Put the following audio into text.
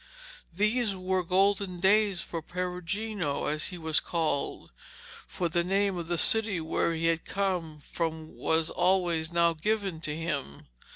These were golden days for Perugino, as he was called, for the name of the city where he had come from was always now given to him.